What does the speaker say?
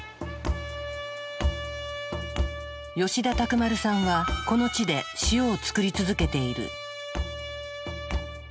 吉田拓丸さんはこの地で塩を作り続けている。